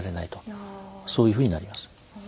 そういうふうになります。